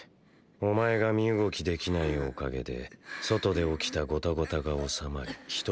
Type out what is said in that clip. お前が身動きできないおかげで外で起きたゴタゴタが収まりハァウッ。